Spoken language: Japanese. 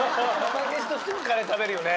負けじとすぐカレー食べるよね。